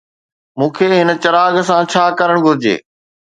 مون کي هن چراغ سان ڇا ڪرڻ گهرجي؟